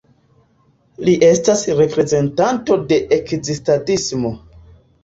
Li estas reprezentanto de Ekzistadismo.